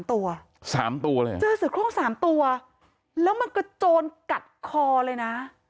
ตัว๓ตัวเลยเหรอเจอเสือโครง๓ตัวแล้วมันกระโจนกัดคอเลยนะ